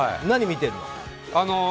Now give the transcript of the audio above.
何を見てるの？